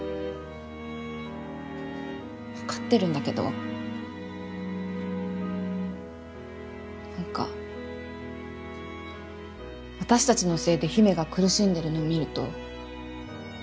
わかってるんだけど何か私たちのせいで姫が苦しんでるの見ると。